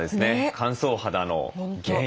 乾燥肌の原因